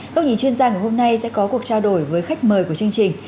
gốc nhìn chuyên gia của hôm nay sẽ có cuộc trao đổi với khách mời của chương trình